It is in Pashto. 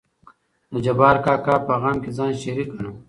د جبار کاکا په غم کې ځان شريک ګنم.